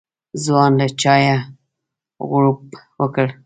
ځوان له چايه غوړپ وکړ.